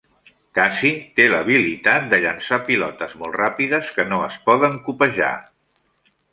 Casey té l'habilitat de llançar pilotes molt ràpides que no es poden copejar.